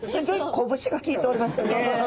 こぶしがきいておりましたね。